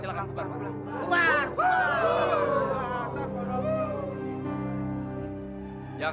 silahkan keluar pak